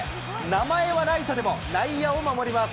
名前はらいとでも、内野を守ります。